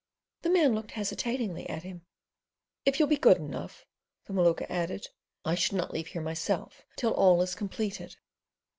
The man looked hesitatingly at him. "If you'll be good enough," the Maluka added, "I should not leave here myself till all is completed."